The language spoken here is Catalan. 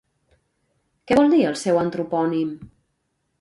Què vol dir el seu antropònim?